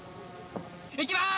いきます！